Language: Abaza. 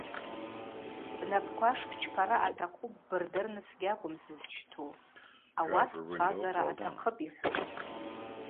Бнапӏква шбчпара атахъу ббырдырныс гьакӏвым сызщту, ауат чважвара атахъыпӏ, йхӏвун.